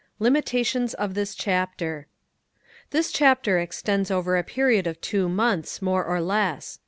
LIMITATIONS OF THIS CHAPTER This chapter extends over a period of two months, more or less.